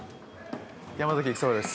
山崎育三郎です。